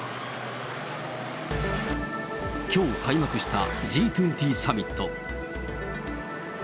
きょう開幕したＧ２０サミット。